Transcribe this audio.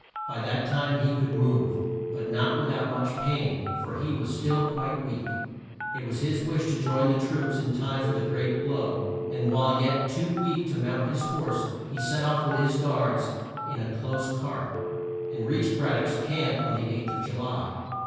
By that time he could move, but not with out much pain, for he was still quite weak. It was his wish to join the troops in time for the great blow, and while yet too weak to mount his horse, he set off with his guards in a close cart, and reached Brad dock's camp on the eighth of Ju ly.